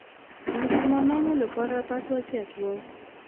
د مسلمانانو لپاره بد وضعیت و